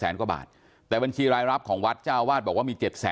๗แสนกว่าบาทแต่บัญชีรายรับของวัดจ้าวาสบอกว่ามี